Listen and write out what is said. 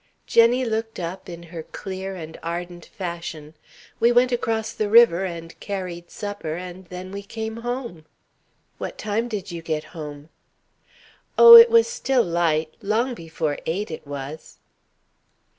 Jenny looked up in her clear and ardent fashion: "We went across the river and carried supper and then we came home." "What time did you get home?" "Oh, it was still light. Long before eight, it was."